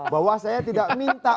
bahwa saya tidak minta